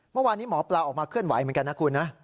เมื่อวานนี้หมอปลาออกมาเคลื่อนไหวเหมือนกันนะคุณนะ